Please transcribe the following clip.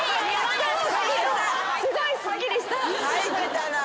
すごいすっきりした。